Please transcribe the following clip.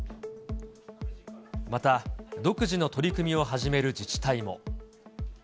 また、独自の取り組みを始める自治体も。